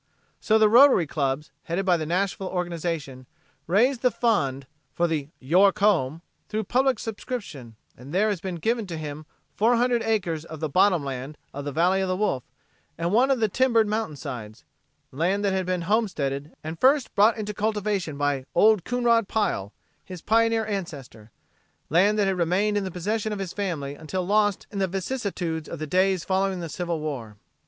So the Rotary Clubs, headed by the Nashville organization, raised the fund for the "York Home" through public subscription, and there has been given to him four hundred acres of the "bottom land" of the Valley of the Wolf and one of the timbered mountainsides land that had been homesteaded and first brought into cultivation by "Old Coonrod" Pile, his pioneer ancestor land that had remained in the possession of his family until lost in the vicissitudes of the days following the Civil War.